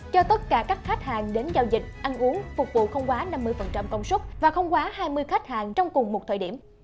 cho tất cả các khách hàng đến giao dịch ăn uống phục vụ không quá năm mươi công suất và không quá hai mươi khách hàng trong cùng một thời điểm